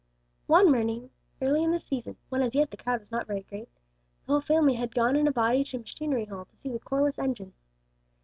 One morning, early in the season, when as yet the crowd was not very great, the whole family had gone in a body to Machinery Hall to see the Corliss engine.